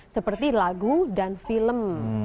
seperti lagu dan film